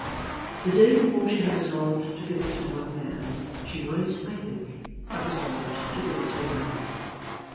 The day before she had resolved to give it to one man, she might, I think, have resolved to give it to another.